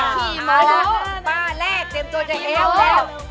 พี่หมอป้าแรกเต็มตัวเย็น